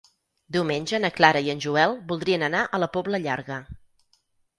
Diumenge na Clara i en Joel voldrien anar a la Pobla Llarga.